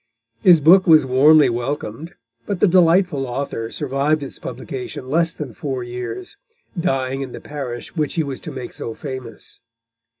His book was warmly welcomed, but the delightful author survived its publication less than four years, dying in the parish which he was to make so famous.